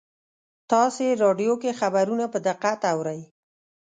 تاسې راډیو کې خبرونه په دقت اورئ